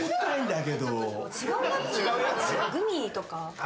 違うやつグミとか。